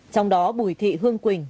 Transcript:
trong đó bùi thị hương quỳnh